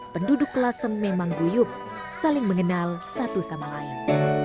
penduduk lhasa memang buyub saling mengenal satu sama lain